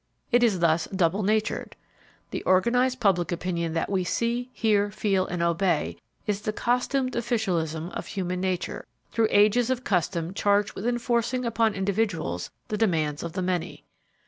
It is thus double natured. The organized public opinion that we see, hear, feel and obey is the costumed officialism of human nature, through ages of custom charged with enforcing upon individuals the demands of the many.